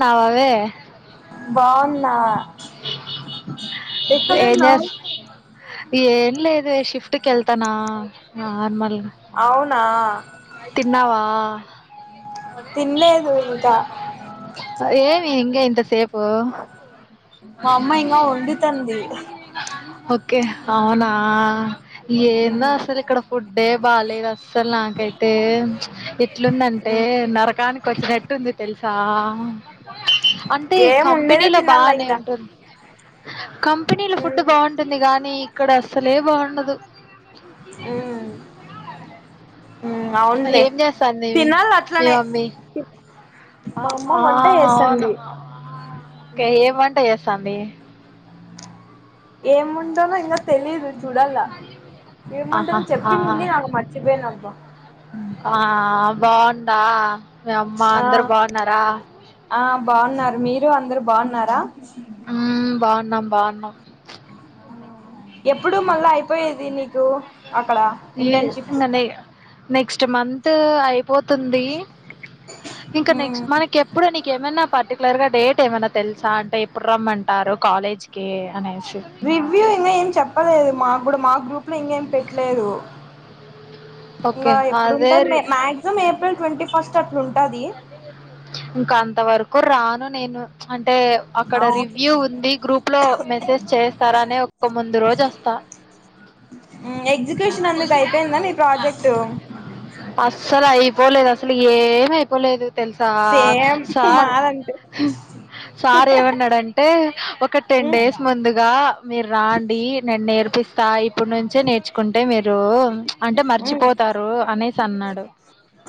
నవా వే నా ఏం ఏక్కడున్నావు చేస్ ఏం లేదు షిఫ్ట్కి వెళ్తానా నార్మల్ అవునా తిన్నావా తినలేదు ఇంకా ఏమి ఇంగ ఇంట్రె సేపు మా అమ్మ ఇంకా వండుతంది ఓకే అవునా ఏందో అసలు ఇక్కడ ఫుడ్ ఏ బాగాలేదు అస్సలు నాకు త్తే ఎట్లుందంటే నరకానికి వచ్చినట్ ఉంటుంది తెలుసా అంటే ఏం ఉండేదే కంపెనీలో తినాల బానే ఇంగ ఉంటుంది కంపెనీలో ఫుడ్ బాగుంటుంది కాగానీ ఇక్కడ అస్సలే బాగుండదు ఉమ్ ఉమ్ అవునులే ఏం చేస్తాంది ఇమి తినాలి మీ అట్లనే మమ్మీ మా అమ్మ ఆహా వంట అవును చేస్తుంది ఏం వంటా చేస్త తంది ఏముండాలో ఇంకా తెలిదు చూడాలా ఆహా ఏమంటారని ఆ చెప్పిందింది నాకు మర్చిపోయాన అబ్బ ఆ బాగుందా మీ అమ్మ ఆ అందరు బాగున్నారా ఆ బాగున్నారు మీరు అందరూ బాగున్నారా ఉమ్ బాగున్నాం బాగున్నాం ఎప్పుడు మళ్ళా అయిపోయేది నీకు అక్కడ ఈ ఇంటర్న్షిప్ ఇంగ నె నెక్స్ట్ మంత్ అయిపోతుంది ఇంకా నెక్స్ట్ మనకి ఎప్పుడ నీక ఏమన్నా పర్టికులర్ గా డేట్ ఏమైన్నా తెలుసా అంటే ఎప్పుడు రమ్మంటారు కాలేజ్ కి అనే రివ్యూ ఇంకా ఏం చెప్పలేదు మా కూడా మా గ్రూప్ లో ఇంకా ఏం పెట్టలేదు ఓకే అదే రి మాక్సిమం ఏప్రిల్ ట్వంటీ ఫస్ట్ అట్లుంటది ఇంకా అంత వరకు రాను నేను అ అంటే అక్కడ అవును రివ్యూ ఉంది గ్రూప్ లో మెసేజ్ చేస్తారా అని ఒక ముందు రోజు వస్తా ఎగ్జిక్యూషన్ అందుకు అయిపోయిందా మీ ప్రాజెక్ట్ అసలు అయిపోలేదు అసలు ఏమాయిపోలేదు తెలుసా సేమ్ సార్ మాదంతే సార్ ఏమన్నాడంటే ఒక టెన్ డేస్ ముందుగా మీరు రా రాండి నేను నేర్పిస్తాయి ఇప్పుడు నుంచే నేర్చుకుంటే మీరు అంటే మర్చిపోతారు అనేసి అన్నాడు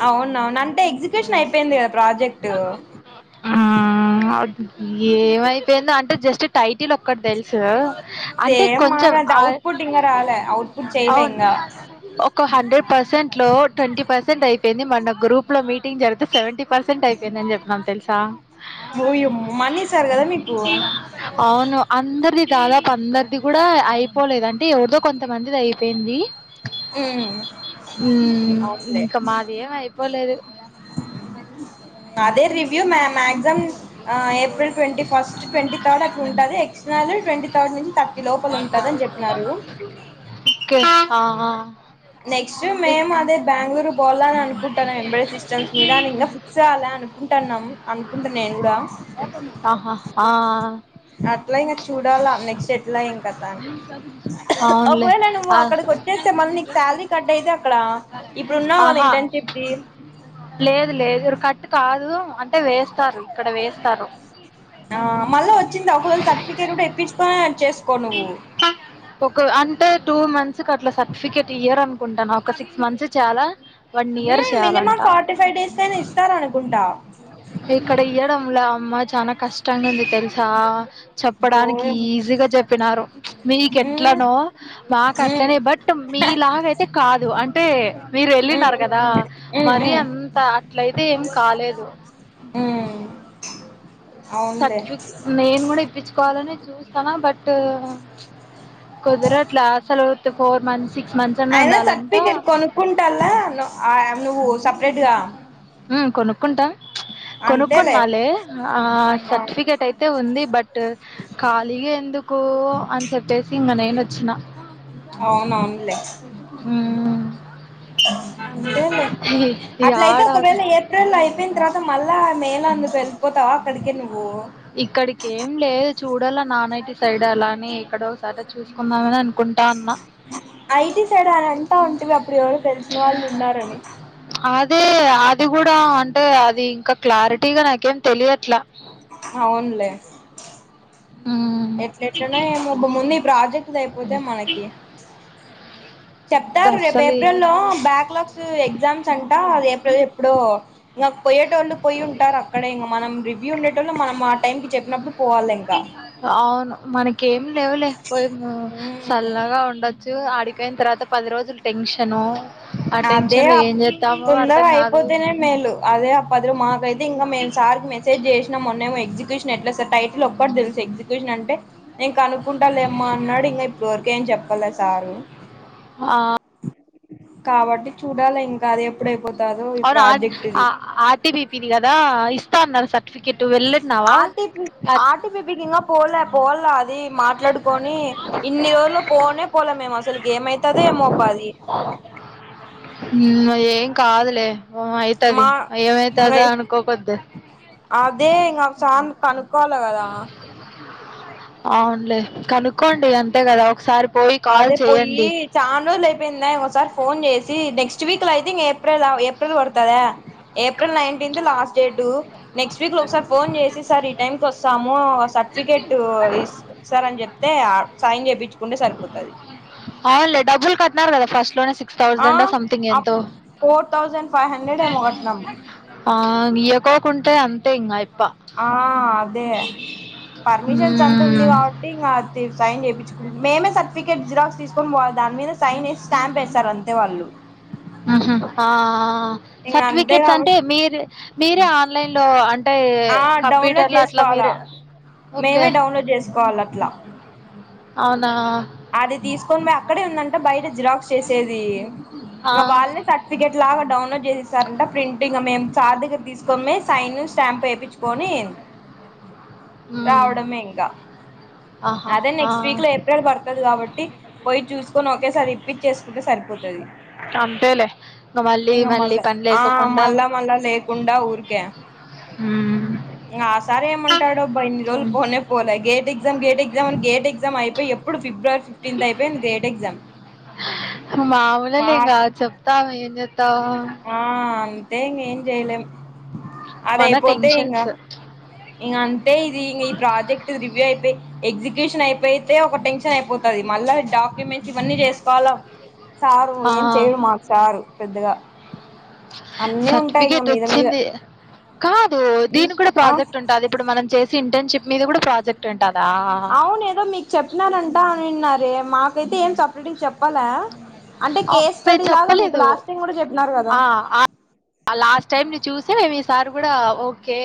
అవును అంటే ఎగ్జిక్యూషన్ అయిపోయింది కదా ప్రాజెక్ట్ హ్మ్. అద్ ఏమైపోయిందో అంటే జస్ట్ టైట్ టిల్ ఒక్కటి తెలుసు అంటే సేమ్ కొంచెం మాగా అవుట్పుట్ ఇంకా రాలే అవుట్పుట్ చేయలే అవును ఇంకా ఒక హండ్రెడ్ పర్సెంట్ లో ట్వంటీ పర్సెంట్ అయిపోయింది మొన్న గ్రూప్ లో మీటింగ్ జరిగితే సెవెంటీ పర్సెంట్ అయిపోయిందని చెప్పన్నాం తెలుసా ఓయమ్మో మనీ ఇస్తారు కదా అవును అందరిది దాదాపు అందరిది కూడా అయిపోలేదు అంటే ఎవరిదో కొంతమందిది అయిపోయింది మీకు ఉమ్ అవునులే ఇంకమాది ఎం అయిపోలేదు అ అదే రివ్యూ మా, మాక్సిమం ఆ April twenty first twenty third అట్ల ఉంటుంది యాక్టర్నల్ ట్వంటీ థర్డ్ నుంచి థర్టీ లోపల ఉంటుదని చె ఓకే అ ఆ నెక్స్ట్ మేము అదే బెంగళూరు పోవాల అని అనుకుంటాన్నాం ఎంబ్రేడే సిస్టమ్స్ మీదని ఇంకా ఫిక్స్ అవాలా అనుకుంటున్నాం అనుకుంటా నేను కూడా ఆహా ఆ అట్లా ఇంకా చూడాలా నెక్స్ట్ ఎట్లా ఎంకధ అని ఒక అవునులే. వేళ నువ్వు ఆహ్, అక్కడ వచ్చేస్తే మళ్ళీ నీకు శాలరీ కట్ అయితే అక్కడ ఇప్పుడు ఉన్నావ్ కదా ఆహా! ఇంటర్న్షిప్ కి లేదు లేదు కట్టు కాదు అంటే వేస్తారు ఇక్కడ వేస్త ఆ మళ్ళ వచ్చింది ఒకవేళ సర్టిఫికేట్ కూడా తెపుంచ్చు కొని చెసు ఒక అంటే టూ మంత్స్ అట్లా సరి సర్టిఫికెట్ ఇయర్ అనుకుంటాను ఒక సిక్స్ మంత్స్ చాలా హె మినిమం ఫార్టీ ఫైవ్, డేస్, కైనా ఇస్తారు అనుకుంటా ఇక్కడ ఇయడంల మా చానా కష్టంగా ఉంది తెలుసా చెప్పడానికి ఓయమ్మ ఈజీగా చె చెప్పినారు మీక ఉమ్ ఎట్లనో మాకు ఉమ్ అట్లనే బట్ మీలాగ అయితే కాదు అంటే మీరు ఉమ్ వెళ్ళినారు కదా ఉమ్ మరి ఉమ్ అంత అట్లయితే ఏం కాలేదు ఉమ్ అవునులే సర్టిఫిక నేను కూడా ఇప్పించుకోవాలని చూస్తానా బట్ కుదరట్ల అసలు ఫోర్ మంత్స్ సిక్స్ మంత్స్ అన్నా అయినా ఉండాల సర్టిఫికెట్ కొనుకుంటాల అ నువ్వు సపరేట్ గా ఉ కొనుక్కుంటాం అంతేలే కొనుక్కున్నాలె ఆ ఆ సర్టిఫికెట్ అయితే ఉంది బట్ ఖాళీగా ఎందుకు అని చెప్పేసి ఇంగ నేను వచ్చిన అవునవునులే మ్మ్ అంతెలే అట్ల అయితే యాడ ఒక వెేళ ఎ ఏప్రిల్ అయిపోయిన తర్వాత మళ్ళా మే లా నువ్వు వెళ్ళిపోతావా అక్కడికే నువ్వు ఇక్కడికి ఏం లేదు చూడల్ల నానైటి సైడ్ అలా అని ఎక్కడో ఒకడ చూసుకుందామని అనుకుంటాన్న ఐటీ సైడ్ అంటా ఉంటివి అప్పుడు ఎవరు తెలిసిన వాళ్ళు ఉన్నారని అదే అది కూడా అంటే అది ఇంకా క్లారిటీగా నాకేం తెలియట్లా అవునులే మ్మ్ ఎట్ల ఎట్లనే ఏమో బు ముందు ఈ ప్రాజెక్ట్ ది అయిపోతేమనకి చెప్తారు రేపు అస్సలు ఏప్రిల్ లో ఏమని బ్యాక్ లాగ్స్ ఎగ్జామ్స్ అంటా ఏప్రిల్ ఎప్పుడో ఇంగ పోయేటోలు పోయి ఉంటారు అక్కడె ఇంగ మనం రివ్యూ ఉండేటో మనం ఆ టైంకి చెప్పినప్పుడు పోవాలి ఇంకా అవును మనకేం లేవులే, పోయి ఉమ్ చల్లగా ఉండొచ్చు ఆడికొయిన తర్వాత పది రోజులు టెన్షను ఆ టెన్షన్ లో ఏం చేస్తామో అర్థం కాదు అప్పుడె మేలు అదే ఆ పదిలు మాకైతే ఇంకా మేమ్ సార్ కి మె చేసినా మొన్నమో ఎగ్జ్, క్యూషన్ ఎట్లా సాత టైటిల్ ఒక్కటి తెలుసు ఎగ్జ్, క్యూషన్ అంటే నేను కనుకుంటా లేమ్మా అన్నాడు ఇంకా ఇప్పటి వరకు ఏం చెప్పాల సారు ఆ కాబట్టి చూడాల ఇంగ అది ఎప్పుడైపోత అవును ఆర్టిబిపిది కదా ఇస్తా అన్నారు సార్ ఆర్టీ ఆర్టీబిపికి ఇంగా పోల పోల్ల అది మాట్లాడుకొని ఇన్ని రోజుల్లో పోనే పోలే మేము అసలు ఇంగ ఏం కాదులే ఓ అయితది మా ఇంగ ఏమైతదా అనుకోపోతే కనుక్కోవాలి కదా అవునులే కనుక్కోండి అంతే కదా ఒకసారి పోయి కాల్ అదే పోయి చేయండి చానా రోజులు ఏ అయిపోయిందా ఒకసారి ఫోన్ చేసి నెక్స్ట్ వీక్ లో అయితే ఏప్రిల్ ఏప్రిల్ పడుతుదా ఏప్రిల్ నైన్ బిందు లాస్ట్ డేటు నెక్స్ట్ వీక్ లో ఒకసారి ఫోన్ చేసి సార్ ఈ టైం కు వస్తాము సర్టిఫికేట్ ఇసార్ అని చెప్తే సైన్ చేపించుకుంటే సరిపో అవునులే డబ్బులు కట్టినారు కదా ఫస్ట్ లోనే సిక్స్ ఆ థౌసండ్ సంథింగ్ ఎంతో అప్పుడు ఫోర్ థౌజండ్ ఫైవ్ హండ్రెడ్ ఏమో కట్టినం ఇయకోకుంటే అంతే ఇంగ ఐ ఆ అదే పర్మిషన్స్ అంత ఉంది మ్మ్. కాబట్టి ఇంగ సైన్ చేపించుకొని మేమే సర్టిఫికేట్ జిరాక్స్ తీసుకొని పోవాలా దాని మీద సైన్ చేేసి స్టాంప్ వేస్తారు అంతే వాళ్ళు ఆహా హ ఇంగ అంతే సర్టిఫికెట్స్ అంటే కాబట్టి మీరు మీరే ఆన్లైన్ లో అం అంటే ఆ డౌన్లోడ్ కంప్యూటర్ లో అట్లా చేసుకోవాలా మీరు ఓకే మేమే డౌన్లోడ్ చేసుకోవాలి అట్లా అవునా అది తీసుకొని పోయి అక్కడే ఉందంట బయట జిరాక్ చేసేది ఆ, ఇంగ వాళ్ళ లే సర్టిఫికేట్ లాగా డౌన్లోడ్ చేసి ఇస్తారంట ప్రింట్ ఇంగ మేం సార్ దగ్గరికి తీసుకొమ్మే సైన్ స్టాంప్ వేయించుకొని మ్మ్. రావడమే ఇంకా ఆహా అదే ఆ. నెక్స్ట్ వీక్ లో ఏప్రిల్ పడుతుంది కాబట్టి పోయి చూసుకొని ఒకే సారి రిపీట్ చేసుకుంటే సరి పో అంతేలే ఇంకా మళ్ళీ ఇకా మళ్ళీ మళా పని ఆ లేకోకుండా మళ్ళా మళ్ళా లేకుండా ఊ కే మ్మ్. ఆ సరే ఏమంటాడో అబ్బా ఇన్ని రోజులు మ్మ్. పోనే పోలే gate exam gate exam gate exam అయిపోయి ఎప్పుడు ఫిబ్రవరి ఫిఫ్టీన్త్ అయిపోయింది గేట్ ఎగ్జామ్ మాములులేంగా మార్చ్ చెప్తా ఏం చెప్తావ్ ఆ అంతే ఇంగ ఏం చేయలేం అదే మన ఐపోతే ఇంగ టెన్షన్స్ ఇం అంతే ఇది ఇ ఈ ప్రాజెక్ట్ రి అయిపోయి ఎగ్జిక్యూషన్ అయిపోయితే ఒక టెన్షన్ అయిపోతుంది మళ్ళీ డాక్యుమెంట్స్ ఇవన్నీ చేసుకోవాల సారు ఆ ఏం చెయ్యరు మాకు సారు పెద్దగ సర్టిఫికేట్ మీద వచ్చింది కాదు దీని కూడ ఆ ప్రాజెక్ట్ ఉంటది ఇప్పుడు మనం చేసి ఇంటర్న్షిప్ మీద కూడా ప్రాజెక్ట్ ఉంటదా? అవును ఏదో మీకు చెప్పినారంటా అనిన్నారే మాకైతే ఏం సపరేట్ చె అంటే కేసు అబ్బే! స్టడీ లాగ మీకు చెప్పలేదు. లాస్ట్ టైమ్ కూడ ఆ లాస్ట్ టైం ని చూసే మే ఈసారి కూడా ఓకే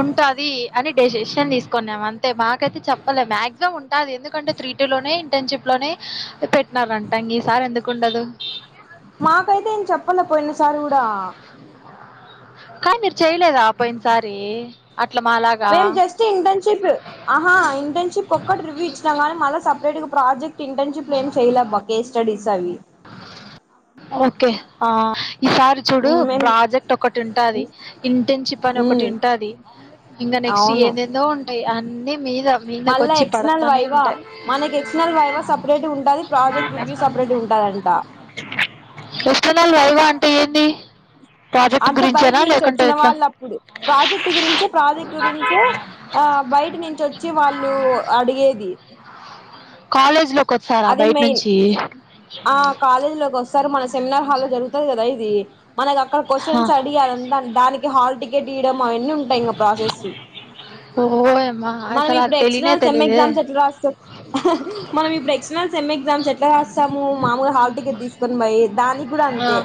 ఉంటది అని డెసిష తీసుకున్నాం అంతే మాకైతే చెప్పలేదు మ్యాక్సిమం ఉంటుంది ఎందుకంటే త్రీ టూ లోనే ఇంటర్న్షిప్ లోనే పెట్టినార అంటాంగ సార్ ఎందుకుండదు ఈసారి గూడ కానీ మీరు చేయలేదా పోయినసారి అట్లా మాలాగా? మేం జస్ట్ ఇంటర్న్షిప్ ఇంటర్న్షిప్ ఒక్కటి రివ్యూ ఇచ్చినాం కానీ మళ్ళీ సపరేట్ గా ప్రాజెక్ట్ ఇంటర్న్షిప్ ఏం చేయలేబ్ బా కే స్టడీస్ అవి ఓకే ఈసారి చూడు మ్ మేం ప్రాజెక్ట్ ఒకటి ఉంటది ఇంటర్న్షిప్ అని ఒకటి మ్ ఉంటది ఇంకా నెక్స్ట్ అవును ఏందేందో ఉంటాయి అన్నీ మీద మీందకి వచ్చి పడతానే ఉంటాయి వైవ సపరేట్ ఉంటది ప్రాజెక్ట్ రివూ సపరేట్ ఉంటది [unintelligible] వైవా అంటే ఏంది ప్రాజెక్ట్ అంటే బయట గురించేనా? నుంచి లేకుంటే వచ్చిన ఎట్లా? వాళ్ళ అప్పుడు ప్రాజెక్ట్ గురించే ప్రాజెక్ట్ గురించే ఆ బయటి నుంచి వచ్చి వాళ్ళు అడిగేది కాలేజీ లోకి వచ్చార అది బయట మెయిన్ నుంచి సార్ మన సెమినార్ హాల్ లో జరుగుతుంది కదా ఇది మనకు అక్కడ ఆ! క్వశ్చన్స్ అడి అదంతా దా హాల్ టికెట్ ఇవ్వడం అన్నీ ఉంటాయి ఇంకా ప్రాసెస్ ఓయమ్మా! మనం అసలు ఇప్పుడు అది తెలీనే ఎక్స్టర్నల్ సెమ్ తెలీదే. ఎగ్జామ్స్ ఎట్లా రాస్తు మనం ఇప్పుడు ఎక్ సెమ్ ఎగ్జామ్స్ ఎట్లా కాస్తాము మామూలు హాల్ టికెట్ తీసుకొని పోయి దానికి కూడా ఆ! అంతే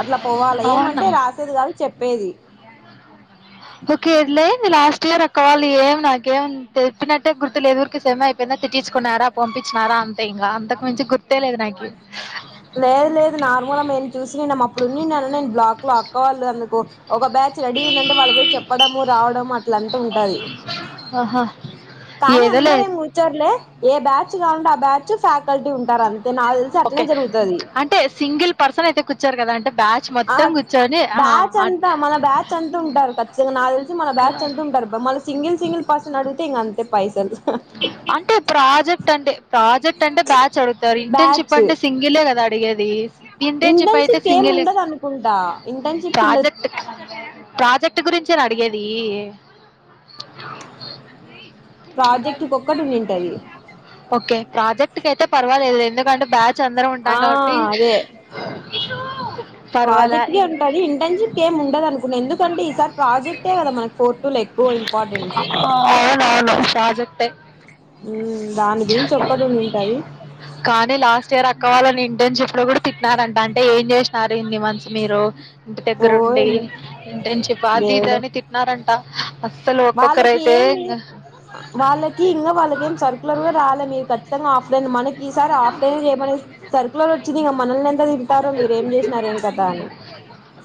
అట్లా పోవాలి ఏమంటే అవునా? రాసేది కాదు చెప్పేది ఓకే ఇదిలే లాస్ట్ ఇయర్ అక్క వాళ్ళు ఏం నాకేం తెలిప్పినట్టే గుర్తు లేదుఊరికి సమ అయిపోయిన తీసుకున్నారా పంపించినన్నారా అంతే ఇంకా అంతకు మించి గుర్తేలేదు నాకి లేదు లేదు నార్మల్గ మేము చూసి నే అప్పుడున్ని నన్న నేను బ్లాక్ లో అక్కవాళ్ళు అందుకు ఒక బ్యాచ్ రెడీ ఉందంటే వాళ్ళు పోయి చెప్పడము రావడము అట్లంతా ఉంటది ఆహా! కానీ ఏదోలే అందర ఏం కూర్చోర్లే ఏ బ్యాచ్ కావాలంటే ఆ బ్యాచ్ ఫ్యాకల్టీ ఉంటరు అంతే నాకు తెలిసి అట్నే ఓకే. జరుగుతుంది అంటే సింగిల్ పర్సన్ అయితే కూర్చారు కదా అంటే బ్యాచ్ ఆ మొత్తం కూర్చోని బ్యాచ్ అంతా మన బ్యాచ్ అంత ఉంటారు ఖచ్చితంగా నాకు తెలిసి మన బ్యాచ్ అంత ఉంటారు మన సింగిల్ సింగి పర్సన్ పర్సన్ నీ అడుగుతే ఇంగా అంతే పైసలు అంటే ప్రాజెక్ట్ అంటే ప్రాజెక్ట్ అంటే బ్యాచ్ అడుగుతారు ఇంటర్న్షిప్ బ్యాచ్ అంటే సింగిలే కదా అడిగేది తింటేం చెప్ప అయితే ఇంటర్న్షిప్ ఏం సింగిల్ ఉండదు అనుకుంటా ఇంటర్న్షిప్ ఉండదు ప్రాజెక్ట్ ప్రాజెక్ట్ గురించే ర అడిగేది ప్రాజెక్ట్ కు ఒక్కటి ఉన్నింటది ఓకే ప్రాజెక్ట్ కైతే పర్వాలేదు. ఎందుకంటే బ్యాచ్ అందరం ఉంటాం ఆ కాబట్టి రీతూ ప్రాజెక్టే ఉంటది ఇంటర్న్షిప్ కేమి ఉండదు అనుకున్నా ఎందుకంటే ఈసారి ప్రాజెక్టే గదా మనకు ఫోర్ టూ లెక్కు ఇంపార్టెంన్స్ రాయలే సాజే ఉమ్ కాదే లాస్ట్ ఇయర్ అక్కవాలని ఇంటర్న్షిప్ లో గూడా తిట్టినారంట అంటే ఏం జేసినారు ఇన్ని మంత్స్ మీరు ఇంటి ఓ దగ్గరుండి ఏమో ఇంటర్న్షిప్ అది ఇది దేవుడా అని తిట్టిన్నారంట అస్సలు వాళ్ళకి ఒక్కొక్కరైతే ఏమి ఇంగ వాళ్ళకి ఇంగా వాళ్ళకెం సర్కులర్ గూడ రాలే మీరు ఖచ్చితంగా ఆఫ్ మనకి ఈసారి ఆఫ్ డే చేయమని సర్కులర్ వచ్చింది ఇగ మనల్ని ఎంత దిట్టుతారో మీరు ఏం జేసినారు ఏం కథా అని అని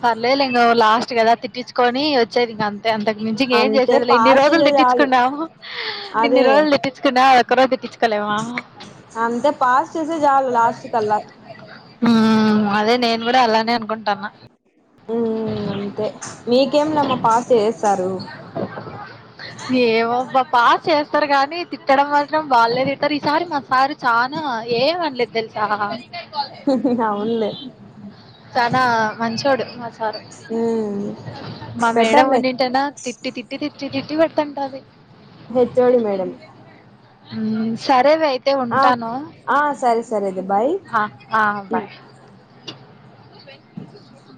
పర్లేదులే లాస్ట్ గదా తి తిట్టించుకొని వచ్చేది ఇంక అంతే అంతకు మించి ఇంకేం అంతే చేసేది ఇన్ని పాస్ రోజులు చేసే చాలు తిట్టించుకున్నాము ఇన్ని అదే రోజు రోజులు తిట్టిచ్చుకున్నాం అ ఒక్కరోజు తిట్టిచ్చు కోలేమా అంతే పాస్ చేసే చాలు లాస్ట్ కల్లా ఉమ్ అదే నేను గూడా అలానే అనుకుంటున్నా ఉమ్ అంతే మీకేంలేమ్మ పాస్ చేసేస్తారు. ఏమో బా పాస్ చేస్తారు గానీ తిట్టడం మాత్రం బాలే తిడ్తరు ఈసారి మాసారు చానా ఏం అనలేదు దెలుసా అవునులే చానా మంచోడు మా సారు ఉమ్ మా మేడం బెటర్లే ఉన్నింటనా తిట్టి తిట్టి తిట్టి తిట్టి పెడుతంటది హెచ్ ఓడి మేడమ్ ఉమ్ సరేవే అయితే ఉంటాను ఆ సరే సరేలే బాయ్ ఆహా ఆ ఉమ్ బాయ్ [unintelligible]